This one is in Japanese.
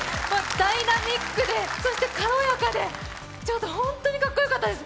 ダイナミックで、そして軽やかで本当にかっこよかったです。